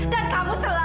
dan selalu menggigit